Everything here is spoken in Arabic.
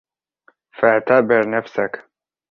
فَاعْتَبِرْ نَفْسَك